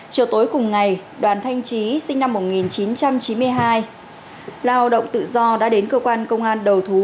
chiều tối cùng ngày đoàn thanh trí sinh năm một nghìn chín trăm chín mươi hai lao động tự do đã đến cơ quan công an đầu thú